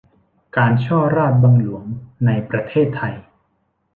การฉ้อราษฎร์บังหลวงในประเทศไทย